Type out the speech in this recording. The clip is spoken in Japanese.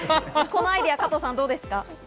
このアイデア、加藤さん、どうですか？